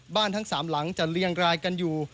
บ้านทั้งสามหลังจะเรียงรายกันอยู่